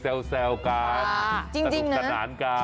คือแซวการสนุกสนานการ